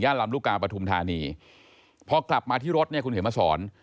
ลำลูกกาปฐุมธานีพอกลับมาที่รถเนี่ยคุณเขียนมาสอน